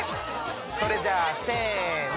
それじゃあせの。